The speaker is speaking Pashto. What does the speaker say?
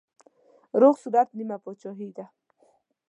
روغ صورت نيمه پاچاهي ده.